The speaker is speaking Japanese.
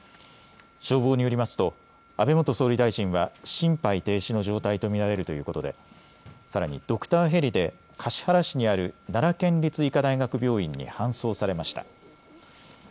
消防によりますと安倍元総理大臣は心肺停止の状態と見られるということでさらにドクターヘリで橿原市にある奈良県立医科大学病院に搬送されました。